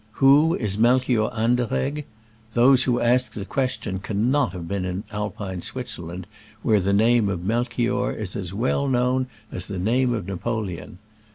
Who is Melchior Ander egg ? Those who ask the question can not have been in Alpine Switzerland, where the name of Melchior is as well known as the name of Napoleon.